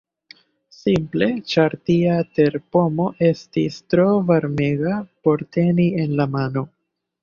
Simple ĉar tia terpomo estis tro varmega por teni en la mano!